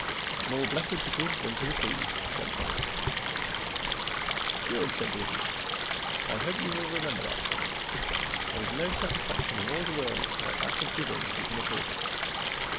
"More blessed to give than to receive," said Tommy. "Good!" said the Idiot. "I hope you will remember that, sonny. There is no satisfaction in all the world like that of giving if you can afford it."